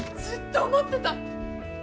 ずっと思ってた。